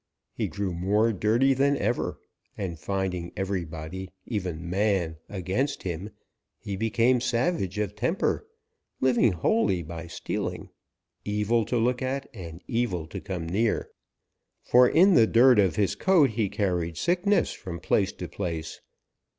He grew more dirty than ever, and finding everybody, even man, against him, he became savage of temper, living wholly by stealing, evil to look at and evil to come near, for in the dirt of his coat be carried sickness from place to place.